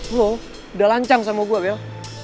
lo udah lancang sama gue bel